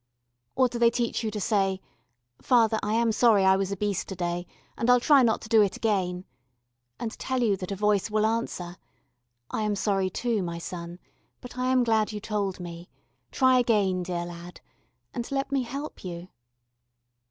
Or do they teach you to say: "Father, I am sorry I was a beast to day, and I'll try not to do it again" and tell you that a Voice will answer, "I am sorry too, My son but I am glad you told Me. Try again, dear lad. And let Me help you"?